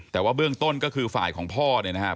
แต่ว่าเบื้องต้นก็คือฝ่ายของพ่อเนี่ยนะครับ